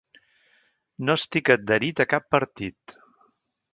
No estic adherit a cap partit.